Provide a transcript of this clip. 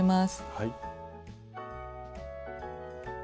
はい。